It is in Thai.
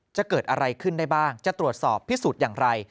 จะเกิดอะไรขึ้นได้บ้างจะตรวจสอบพิสูจน์อย่างไร